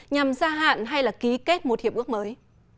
nhằm gia hạn hay là ký kết một hiệp ước mới